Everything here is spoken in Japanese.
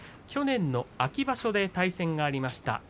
去年の秋場所で対戦がありました。